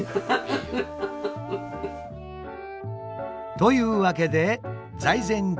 というわけで「財前じ